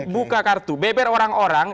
buka kartu beber orang orang